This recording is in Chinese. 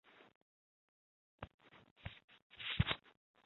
许闻廉早期在西北大学的研究偏重于图形演算法的理论。